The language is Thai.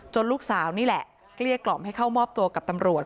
ลูกสาวนี่แหละเกลี้ยกล่อมให้เข้ามอบตัวกับตำรวจ